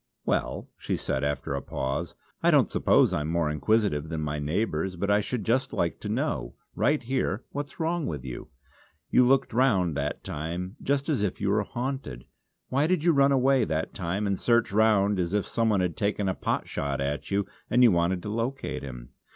"Well!" she said, after a pause, "I don't suppose I'm more inquisitive than my neighbours, but I should just like to know, right here, what's wrong with you. You looked round that time just as if you were haunted! Why did you run away that time and search round as if some one had taken a pot shot at you and you wanted to locate him?